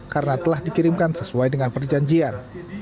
karena telah dikirimkan sesuai dengan perjanjian